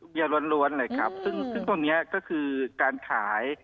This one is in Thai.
ล้วนเลยครับซึ่งพวกนี้ก็คือการขาย